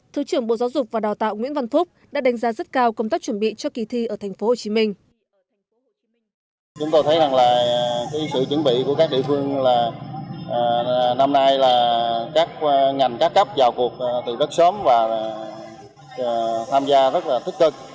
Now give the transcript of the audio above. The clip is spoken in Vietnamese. thứ trưởng bộ giáo dục và đào tạo nguyễn văn phúc đã đánh giá rất cao công tác chuẩn bị cho kỳ thi ở thành phố hồ chí minh